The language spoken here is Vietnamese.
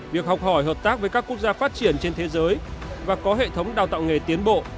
việc học hỏi hợp tác với các quốc gia phát triển trên thế giới và có hệ thống đào tạo nghề tiến bộ